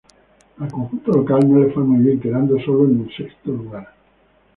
Al conjunto local no le fue muy bien, quedando solo en el sexto lugar.